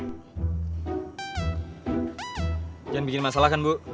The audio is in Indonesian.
jangan bikin masalah kan bu